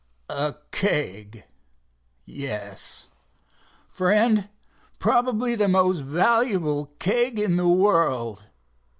"A keg—yes, friend, probably the most valuable keg in the world.